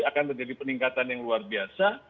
akan terjadi peningkatan yang luar biasa